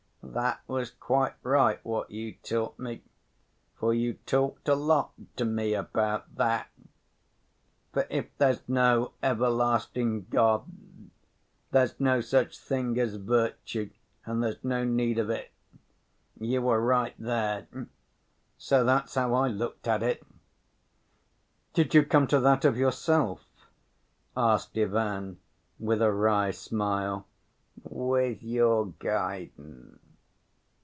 That was quite right what you taught me, for you talked a lot to me about that. For if there's no everlasting God, there's no such thing as virtue, and there's no need of it. You were right there. So that's how I looked at it." "Did you come to that of yourself?" asked Ivan, with a wry smile. "With your guidance."